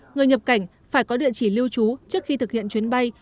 người nhập cảnh phải có địa chỉ lưu trú trước khi thực hiện chuyến bay